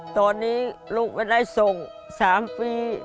ตอนนี้ลูกไม่ได้ส่ง๓ปี